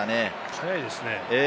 早いですね。